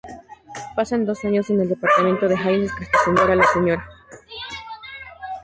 Pasan dos años En el departamento de Haines, Crystal, ahora la Sra.